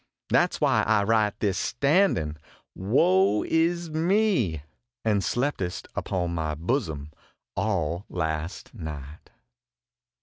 That s why I write this standin woe is me! And slept st upon my bosom all last night.